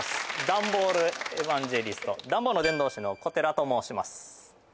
ダンボールエバンジェリストダンボールの伝道師の小寺と申します